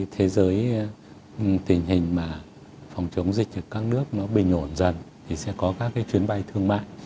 thế giới tình hình mà phòng chống dịch ở các nước nó bình ổn dần thì sẽ có các cái chuyến bay thương mại